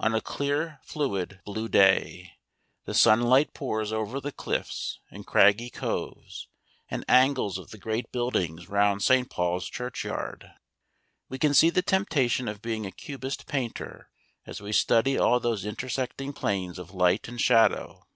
On a clear fluid blue day the sunlight pours over the cliffs and craggy coves and angles of the great buildings round St. Paul's churchyard. We can see the temptation of being a cubist painter as we study all those intersecting planes of light and shadow.